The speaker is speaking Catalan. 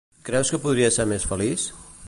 Creus que podria ser més feliç?